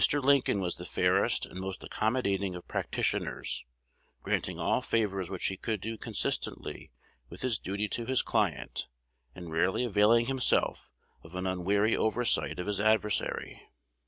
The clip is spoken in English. Lincoln was the fairest and most accommodating of practitioners, granting all favors which he could do consistently with his duty to his client, and rarely availing himself of an unwary oversight of his adversary.